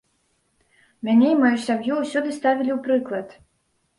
Мяне і маю сям'ю ўсюды ставілі ў прыклад.